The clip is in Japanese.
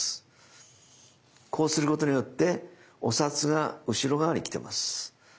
こうすることによってお札が後ろ側に来てます。